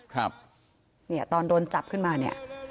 ครับเนี่ยตอนโดนจับขึ้นมาเนี่ย